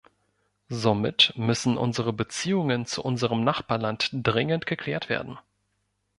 Somit müssen unsere Beziehungen zu unserem Nachbarland dringend geklärt werden.